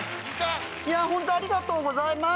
いやホントありがとうございます。